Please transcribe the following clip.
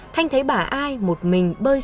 thanh thấy bà ai một mình bơi xuồng